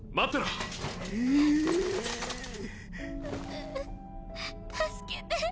うぅ助けて。